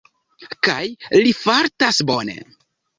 Kaj li fartas bone.